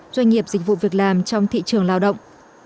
doanh nghiệp dịch vụ việc làm trong thị trường lao động